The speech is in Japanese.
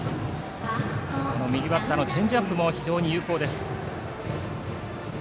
右バッターのチェンジアップも非常に有効です。